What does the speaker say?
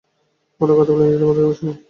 ওরা কথা বলে নিজেদের মধ্যে, আমি শুনি।